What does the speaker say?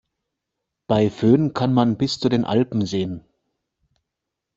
Bei Föhn kann man bis zu den Alpen sehen.